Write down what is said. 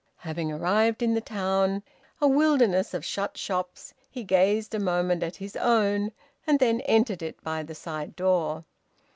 Having arrived in the town, a wilderness of shut shops, he gazed a moment at his own, and then entered it by the side door.